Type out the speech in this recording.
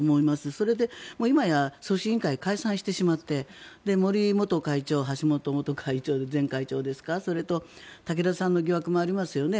それで、今や組織委員会解散してしまって森元会長、橋本前会長それと竹田さんの疑惑もありますよね。